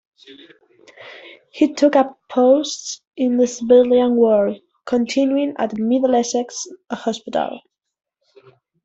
He took up posts in the civilian world, continuing at Middlesex Hospital.